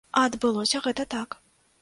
А адбылося гэта так.